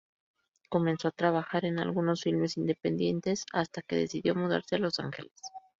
Comenzó a trabajar en algunos filmes independientes, hasta que decidió mudarse a Los Angeles.